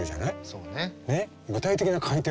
そうね。